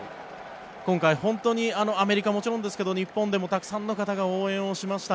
今回、本当にアメリカももちろんですが日本でもたくさんの方が応援をしました。